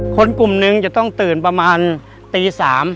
คนกลุ่มนึงจะต้องตื่นประมาณตี๓